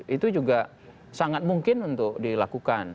itu juga sangat mungkin untuk dilakukan